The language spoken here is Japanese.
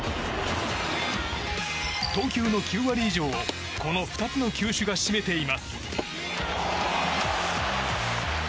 投球の９割以上をこの２つの球種が占めています。